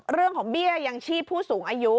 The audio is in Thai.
เรื่องของเบี้ยอย่างชีพผู้สูงอายุ